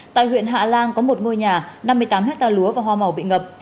tại huyện hạ lan có một ngôi nhà năm mươi tám hectare lúa và hoa màu bị ngập